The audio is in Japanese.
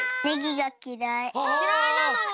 きらいなの？